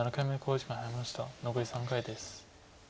残り３回です。